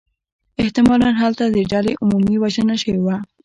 احتمالاً هلته د ډلې عمومی وژنه شوې وه.